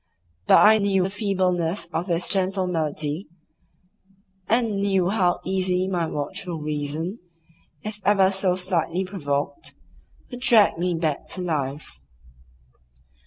But I knew the feebleness of this gentle malady, and knew how easily my watchful reason, if ever so slightly provoked, would drag me back to life.